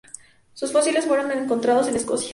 Sus fósiles fueron encontrados en Escocia.